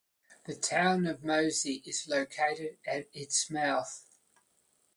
The town of Moisie is located at its mouth.